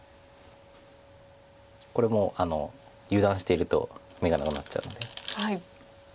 これも油断してると眼がなくなっちゃうんで。